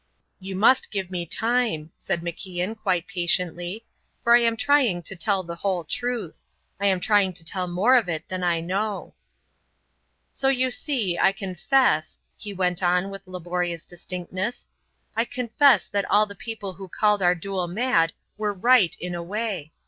"You must give me time," said MacIan, quite patiently, "for I am trying to tell the whole truth. I am trying to tell more of it than I know." "So you see I confess" he went on with laborious distinctness "I confess that all the people who called our duel mad were right in a way.